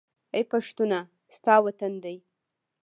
اې پښتونه! ستا وطن دى